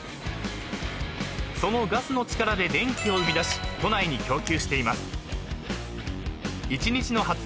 ［そのガスの力で電気を生み出し都内に供給しています］